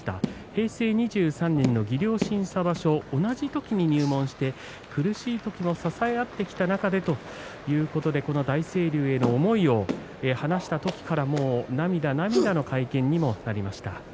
平成２３年の技量審査場所、同じ時に入門して苦しい時に支え合った仲ですとこの大成龍への思いを話した時からもう涙、涙の会見になりました。